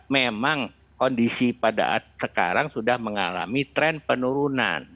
memang kondisi pada saat sekarang sudah mengalami tren penurunan